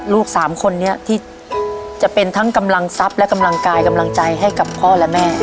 สามคนนี้ที่จะเป็นทั้งกำลังทรัพย์และกำลังกายกำลังใจให้กับพ่อและแม่